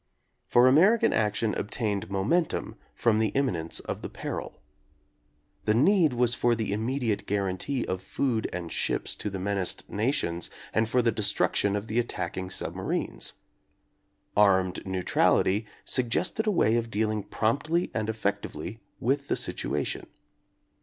For American action obtained momentum from the imminence of the peril. The need was for the immediate guarantee of food and ships to the menaced nations and for the destruction of the attacking submarines. "Armed neutrality" suggested a way of dealing promptly and effectively with the situation.